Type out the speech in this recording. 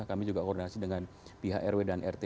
kami juga koordinasi dengan pihak rw dan rt